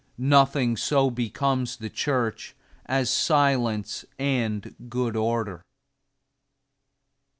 Nothing so becomes the church as silence and good order.